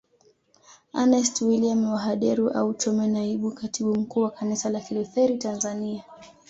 Ernest William wa Hedaru au Chome Naibu Katibu Mkuu wa kanisa la kilutheri Tanzania